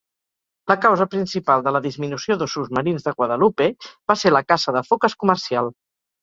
La causa principal de la disminució d'ossos marins de Guadalupe va ser la caça de foques comercial.